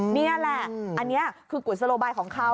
นี่แหละอันนี้คือกุศโลบายของเขา